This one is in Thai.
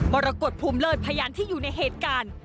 รกฏภูมิเลิศพยานที่อยู่ในเหตุการณ์